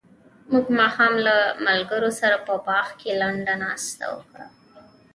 موږ ماښام له ملګرو سره په باغ کې لنډه ناسته وکړه.